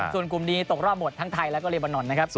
ส่วนกลุ่มนี้ตกรอบหมดทั้งไทยแล้วก็เลบานอนนะครับ